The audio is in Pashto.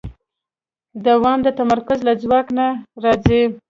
دوام د تمرکز له ځواک نه راځي.